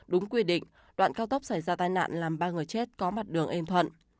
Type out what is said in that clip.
đúng quy định đoạn cao tốc xảy ra tai nạn làm ba người chết có mặt đường êm thuận